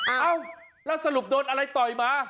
เอ้าแล้วสรุปโดนอะไรต่อยมา